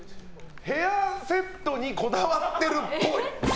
ヘアセットにこだわってるっぽい。